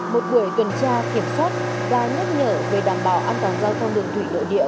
một buổi tuần tra kiểm soát và nhắc nhở về đảm bảo an toàn giao thông đường thủy nội địa